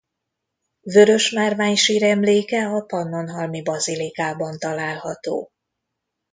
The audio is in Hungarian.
Vörösmárvány síremléke a pannonhalmi bazilikában található.